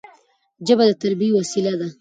ژبه د تربيي وسیله ده.